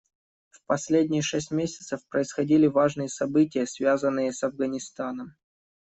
В последние шесть месяцев происходили важные события, связанные с Афганистаном.